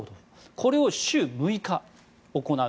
これを週６日行う。